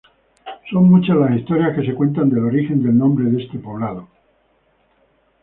Son muchas las historias que se cuentan del origen del nombre de este poblado.